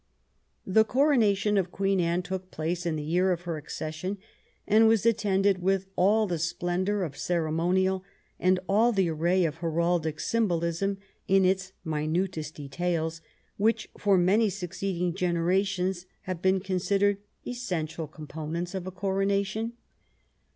The coronation of Queen Anne took place in the year of her accession, and was attended with all the splendor of ceremonial and all the array of heraldic symbolism in its minutest details which, for many succeeding generations, have been considered essential components of a coronation.